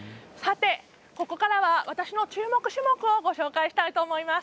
ここからは私の注目種目を紹介したいと思います。